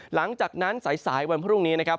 หลังจากนั้นสายวันพรุ่งนี้นะครับ